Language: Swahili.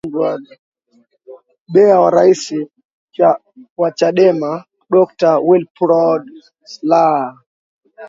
bea wa rais wa chadema dokta wilprod slaah